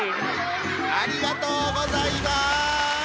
ありがとうございます！